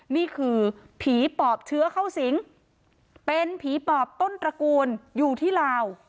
นี่คือผีปอบเชื้อเข้าสิงเป็นผีปอบต้นตระกูลอยู่ที่ลาว